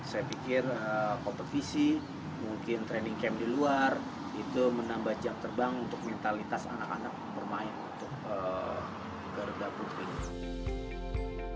saya pikir kompetisi mungkin training camp di luar itu menambah jam terbang untuk mentalitas anak anak bermain untuk garuda putri